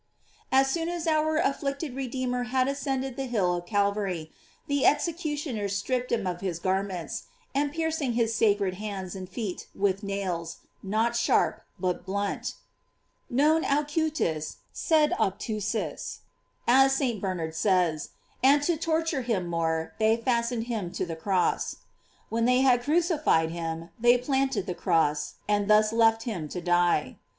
As soon as our afflicted Redeemer had ascend ed the hill of Calvary, the executioners stripped him of his garments, and piercing his sacred hands and feet with nails, not sharp, but blunt: "Non acutis, sed obtusis;" as St. Bernard says,* and to torture him more, they fastened him to the cross. When they had crucified him, they planted the cross, and thus left him to die.